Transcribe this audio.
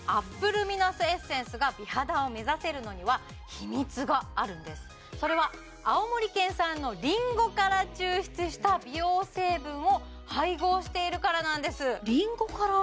ルミナスエッセンスが美肌を目指せるのには秘密があるんですそれは青森県産のリンゴから抽出した美容成分を配合しているからなんですリンゴから！？